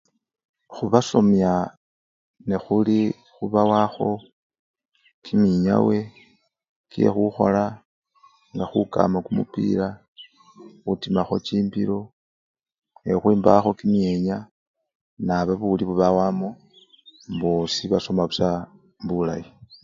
Khubasomya nekhuli! khubawakho kimiyawe kyekhukhola nga khukama kumupira, khutimakho chimbilo nekhukhwmbakho kimienya naba buri bubawamo bosi basoma busa bulayi.